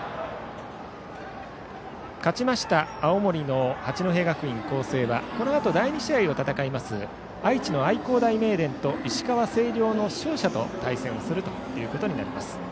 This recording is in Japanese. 勝ちました青森の八戸学院光星はこのあと第２試合を戦う愛知の愛工大名電と石川・星稜の勝者と対戦をすることになります。